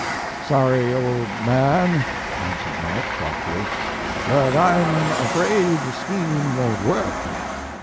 Sorry, old man," answered Mark, thoughtfully, "but I m afraid the scheme won t work."